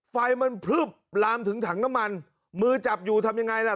ไฟมันพลึบลามถึงถังน้ำมันมือจับอยู่ทำยังไงล่ะ